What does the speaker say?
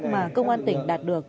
mà công an tỉnh đạt được